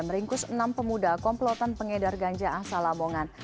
meringkus enam pemuda komplotan pengedar ganja asal lamongan